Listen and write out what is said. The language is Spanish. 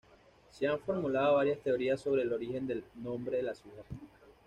Se han formulado varias teorías sobre el origen del nombre de la ciudad.